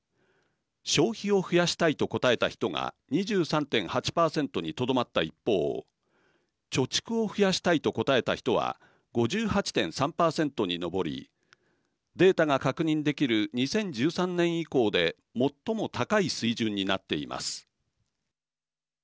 消費を増やしたいと答えた人が２３．８％にとどまった一方貯蓄を増やしたいと答えた人は５８．３％に上りデータが確認できる２０１３年以降で最も高い水準になっています。